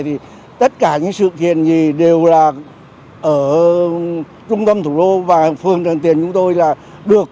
thì tất cả những sự kiện gì đều là ở trung tâm thủ đô và phường đồng tiền chúng tôi là được